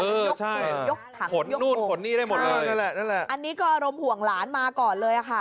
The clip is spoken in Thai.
ยกโผล่ยกถังยกโผล่ขนนี่ได้หมดเลยอันนี้ก็อารมณ์ห่วงหลานมาก่อนเลย